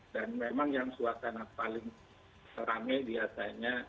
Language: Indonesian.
dan memang yang suasana paling rame biasanya